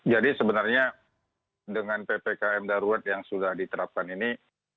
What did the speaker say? jadi sebenarnya dengan ppkm darurat yang sudah diterapkan ini